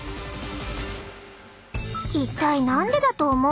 一体何でだと思う？